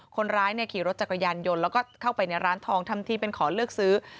คนร้ายขี่รถจักรยานยนต์แล้วก็เข้าไปในร้านทองทำทีเป็นขอเลือกซื้อ